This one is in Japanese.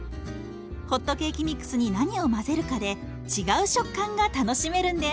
ホットケーキミックスに何を混ぜるかで違う食感が楽しめるんです。